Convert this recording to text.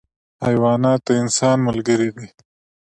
حیوانات د انسان ملګري دي.